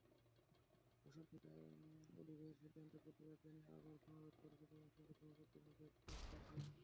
বসতভিটা অধিগ্রহণের সিদ্ধান্তের প্রতিবাদ জানিয়ে আবারও সমাবেশ করেছে ময়মনসিংহের ব্রহ্মপুত্র নদের চারবাসী।